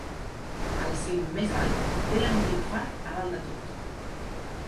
El cim més alt té l'antic far a dalt de tot.